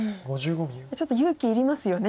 ちょっと勇気いりますよね